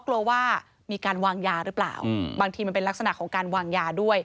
กลัวว่ามีการวางยาหรือเปล่าบางทีมันเป็นลักษณะของการวางยาด้วย